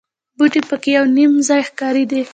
بوټي په کې یو نیم ځای ښکاري.